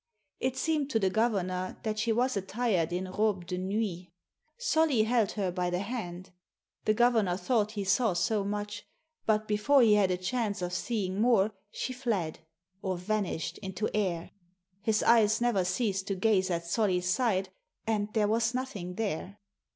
It seemed to the governor that she was attired in robe de nuit. Solly held her by the hand. The governor thought he saw so much, but before he had a chance of seeing more she fled, or vanished into air. His eyes never ceased to gaze at Solly's side, and there was nothing there.